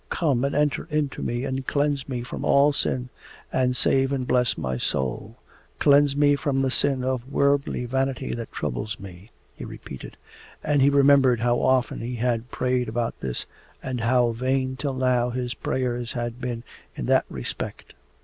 Come and enter into me and cleanse me from all sin and save and bless my soul. Cleanse me from the sin of worldly vanity that troubles me!' he repeated, and he remembered how often he had prayed about this and how vain till now his prayers had been in that respect.